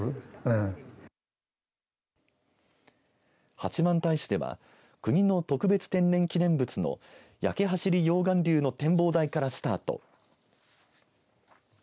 八幡平市では国の特別天然記念物の焼走り溶岩流の展望台からスタート。